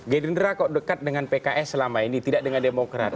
gerindra kok dekat dengan pks selama ini tidak dengan demokrat